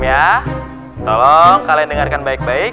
ya tolong kalian dengarkan baik baik